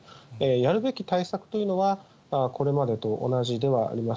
やるべき対策というのは、これまでと同じではあります。